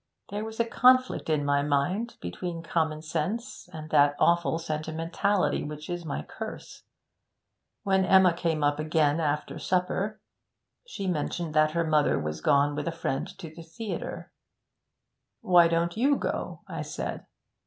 There was a conflict in my mind, between common sense and that awful sentimentality which is my curse. When Emma came up again after supper, she mentioned that her mother was gone with a friend to a theatre. "Why don't you go?" I said.